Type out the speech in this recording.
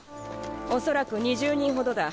おそらく２０人ほどだ。